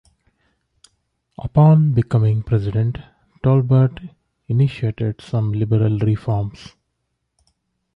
Upon becoming president, Tolbert initiated some liberal reforms.